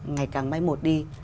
ngày càng mai một đi